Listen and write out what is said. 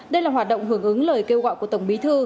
đây là hoạt động hưởng ứng lời kêu gọi của tổng bí thư